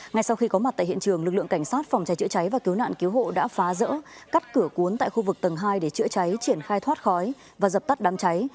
ngay sau khi có mặt tại hiện trường lực lượng cảnh sát phòng cháy chữa cháy và cứu nạn cứu hộ đã phá rỡ cắt cửa cuốn tại khu vực tầng hai để chữa cháy triển khai thoát khói và dập tắt đám cháy